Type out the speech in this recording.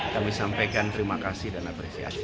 kami sampaikan terima kasih dan apresiasi